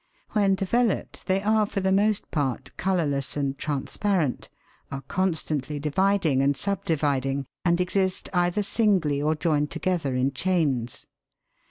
When developed they are for the most part colourless and transparent, are constantly dividing and sub dividing, and exist either singly or joined together in chains.